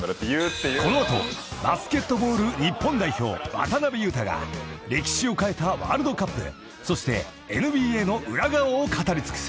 ［この後バスケットボール日本代表渡邊雄太が歴史を変えたワールドカップそしてＮＢＡの裏側を語り尽くす］